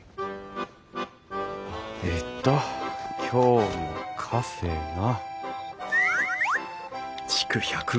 えっと今日のカフェが。